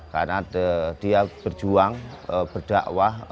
karena dia berjuang berdakwah